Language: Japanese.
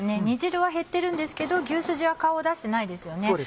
煮汁は減ってるんですけど牛すじは顔を出してないですよね。